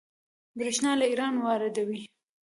بریښنا له ایران واردوي